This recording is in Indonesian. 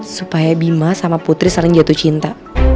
supaya bima sama putri saling jatuh cinta